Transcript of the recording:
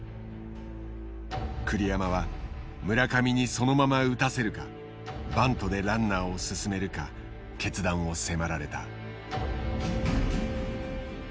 栗山は村上にそのまま打たせるかバントでランナーを進めるか決断を迫られた。